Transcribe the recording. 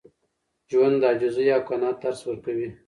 ژوند د عاجزۍ او قناعت درس ورکوي.